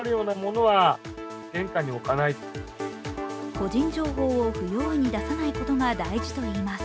個人情報を不用意に出さないことが大事といいます。